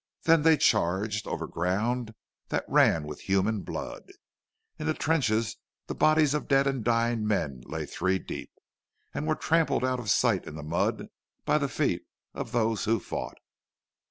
Then they charged, over ground that ran with human blood. In the trenches the bodies of dead and dying men lay three deep, and were trampled out of sight in the mud by the feet of those who fought.